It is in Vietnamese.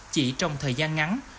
chỉ trong thời gian ngắn